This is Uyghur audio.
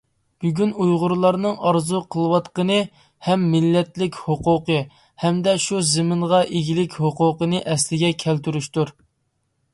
بۈگۈن ئۇيغۇرلارنىڭ ئارزۇ قىلىۋاتقىنى ھەم مىللەتلىك ھوقۇقى، ھەمدە شۇ زېمىنغا ئىگىلىك ھوقۇقىنى ئەسلىگە كەلتۈرۈشتۇر.